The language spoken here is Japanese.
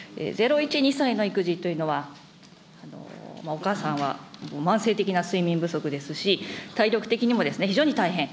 ０、１、２歳の育児というのは、お母さんは慢性的な睡眠不足ですし、体力的にも非常に大変。